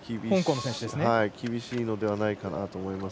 厳しいのではないかと思います。